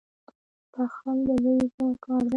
• بخښل د لوی زړه کار دی.